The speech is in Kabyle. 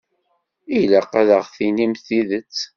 Ilaq ad aɣ-d-tinimt tidet.